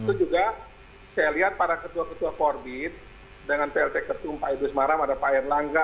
itu juga saya lihat para ketua ketua forbit dengan plt ketum pak ibu ismaram ada pak erlangga